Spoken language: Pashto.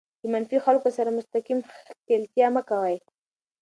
د منفي خلکو سره مستقیم ښکېلتیا مه کوئ.